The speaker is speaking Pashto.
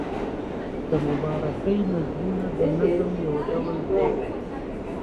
د مبارکۍ نظمونه د نظم یو ډول دﺉ.